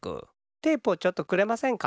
テープをちょっとくれませんか？